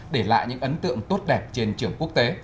để lại những ấn tượng tốt đẹp trên trường quốc tế